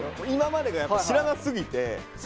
今までがやっぱ知らなすぎて。